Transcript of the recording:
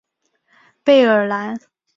贝尔兰。